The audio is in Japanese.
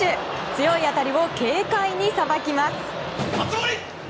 強い当たりを軽快にさばきます。